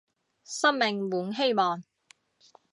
生命滿希望